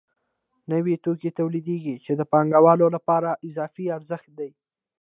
نوي توکي تولیدېږي چې د پانګوالو لپاره اضافي ارزښت دی